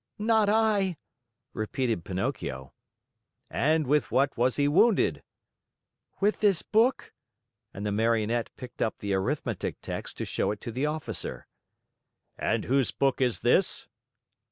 "Not I," repeated Pinocchio. "And with what was he wounded?" "With this book," and the Marionette picked up the arithmetic text to show it to the officer. "And whose book is this?"